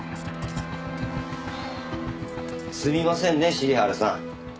すみませんね重治さん。んっ？